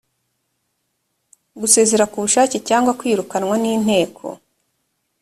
gusezera ku bushake cyangwa kwirukanwa n inteko